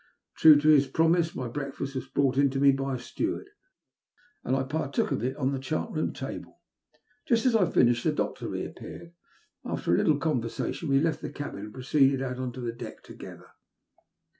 True to his promise, my breakfast was brought to me by a steward, and I partook of it on the chart room table. Just as I finished the doctor reappeared, and, after a 208 THE LUST OF HATB. little conversation, ve left the cabin and proceeded oat on to the deck together.